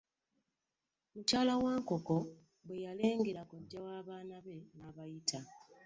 Mukyala Wankoko bwe yalengera kojja w’abaana be n'abayita.